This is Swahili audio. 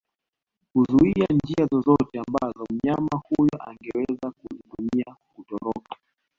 kuzuia njia zozote ambazo mnyama huyo angeweza kuzitumia kutoroka